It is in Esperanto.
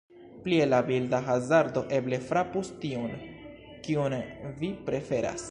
Plie la blinda hazardo eble frapus tiun, kiun vi preferas.